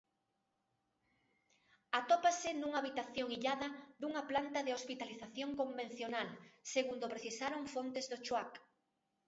Atópase nunha habitación illada dunha planta de hospitalización convencional, segundo precisaron fontes do Chuac.